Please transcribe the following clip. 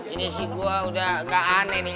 ini sih gue udah gak aneh nih